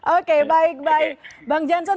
oke baik baik bang janson